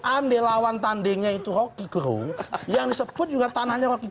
andai lawan tandingnya itu rocky kru yang disebut juga tanahnya rocky